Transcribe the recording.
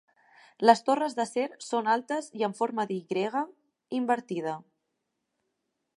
Les torres d'acer són altes i amb forma d'Y invertida.